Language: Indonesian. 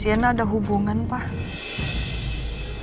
sama sienna ada hubungan pak